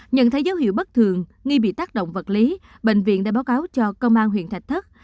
nhận thấy dấu hiệu bất thường nghi bị tác động vật lý bệnh viện đã báo cáo cho công an huyện thạch thất